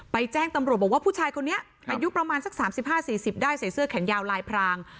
แจ้งตำรวจบอกว่าผู้ชายคนนี้อายุประมาณสัก๓๕๔๐ได้ใส่เสื้อแขนยาวลายพราง